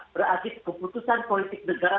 berakib keputusan politik negara